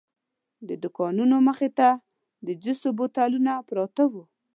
د دوکانونو مخې ته د جوسو بوتلونه پراته وو.